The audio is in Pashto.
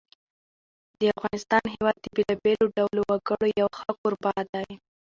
د افغانستان هېواد د بېلابېلو ډولو وګړو یو ښه کوربه دی.